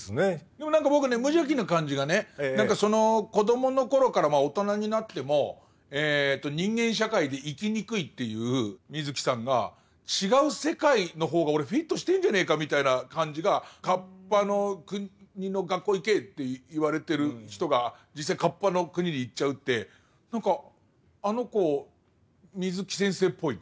でも何か僕ね無邪気な感じがね子どもの頃から大人になっても人間社会で生きにくいっていう水木さんが違う世界の方が俺フィットしてんじゃねえかみたいな感じが河童の国の学校行けって言われてる人が実際河童の国に行っちゃうって何かあの子水木先生っぽい。